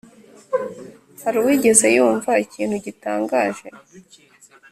hari uwigeze yumva ikintu gitangaje